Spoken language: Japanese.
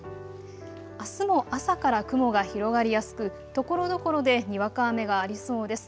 あすも朝から雲が広がりやすくところどころでにわか雨がありそうです。